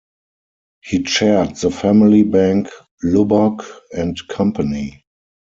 He chaired the family bank Lubbock and Company.